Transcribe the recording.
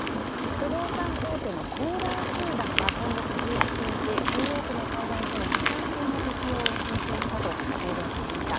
不動産大手の恒大集団は今月１７日ニューヨークの裁判所に破産法の適用を申請したと報道されました。